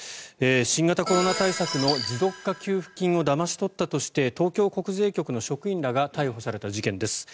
新型コロナ対策の持続化給付金をだまし取ったとして東京国税局の職員らが逮捕された事件です。